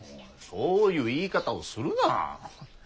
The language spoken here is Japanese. そういう言い方をするな。